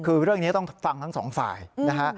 คือเรื่องนี้ต้องฟังทั้งสองฝ่ายนะฮะ